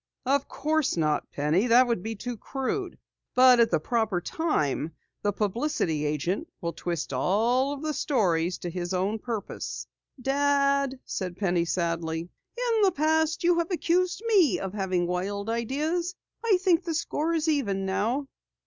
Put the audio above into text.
"Of course not, Penny. That would be too crude. But at the proper time, the publicity agent will twist all of the stories to his own purpose." "Dad," said Penny sadly, "in the past you have accused me of having wild ideas. I think the score is even now."